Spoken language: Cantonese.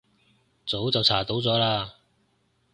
早就查到咗啦